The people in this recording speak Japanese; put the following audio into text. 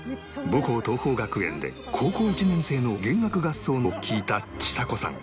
母校桐朋学園で高校１年生の弦楽合奏を聴いたちさ子さん